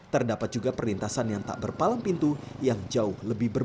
terdapat juga perlintasan yang tak berpalang pintu yang jauh lebih berbahaya